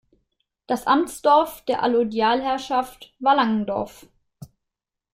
Das Amtsdorf der Allodialherrschaft war Langendorf.